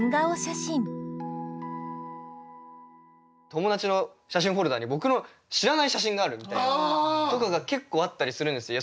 友達の写真フォルダに僕の知らない写真があるみたいな。とかが結構あったりするんですよ。